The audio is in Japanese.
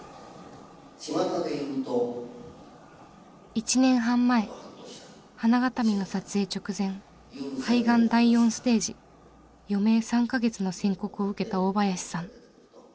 １年半前「花筐／ＨＡＮＡＧＡＴＡＭＩ」の撮影直前肺ガン第４ステージ余命３か月の宣告を受けた大林さん。